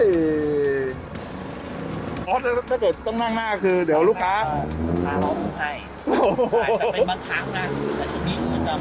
เออถ้าเกิดต้องนั่งหน้าคือเดี๋ยวลูกค้าลูกค้าเราก็ยกไหม